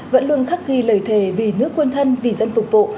vẫn luôn khắc ghi lời thề vì nước quân thân vì dân phục vụ